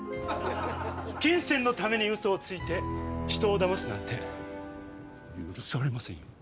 金銭のためにうそをついて人をだますなんて許されませんよ！